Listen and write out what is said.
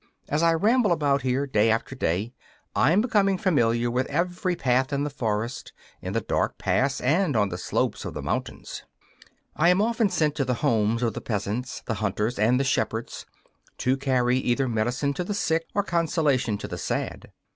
As I ramble about here, day after day, I am becoming familiar with every path in the forest, in the dark pass, and on the slopes of the mountains. I am often sent to the homes of the peasants, the hunters and the shepherds, to carry either medicine to the sick or consolation to the sad.